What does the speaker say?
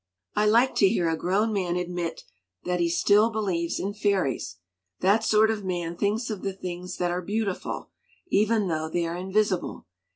"I like to hear a grown man admit that he still believes in fairies. That sort of man thinks of the things that are beautiful, even though they are invisible.